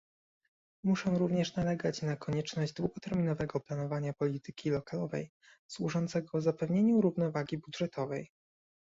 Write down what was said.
Muszę również nalegać na konieczność długoterminowego planowania polityki lokalowej służącego zapewnieniu równowagi budżetowej